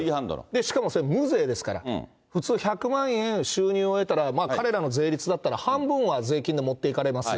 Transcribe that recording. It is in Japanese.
しかもそれ無税ですから、普通１００万円収入を得たら、まあ、彼らの税率だったら、半分は税金で持っていかれますよ。